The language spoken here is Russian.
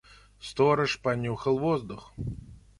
Сторож понюхал воздух.